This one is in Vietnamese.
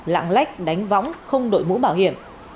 lạng lách đánh võng không đội mũ bảo hiểm